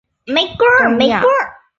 东亚管理学院亚洲分校。